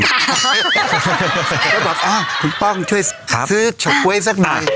ก็บอกอ้าวคุณป้องช่วยซื้อเฉาก๊วยสักหน่อย